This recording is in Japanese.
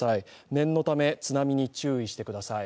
念のため津波に注意してください。